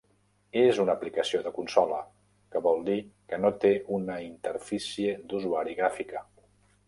És una aplicació de consola, que vol dir que no té una interfície d'usuari gràfica.